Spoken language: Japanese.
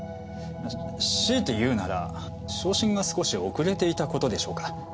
しいて言うなら昇進が少し遅れていたことでしょうか。